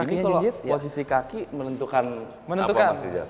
ini kalau posisi kaki menentukan apa mas rizal